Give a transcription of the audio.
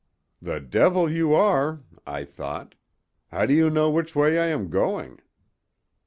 "The devil you are!" I thought. "How do you know which way I am going?"